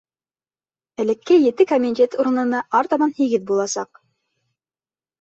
Элекке ете комитет урынына артабан һигеҙ буласаҡ.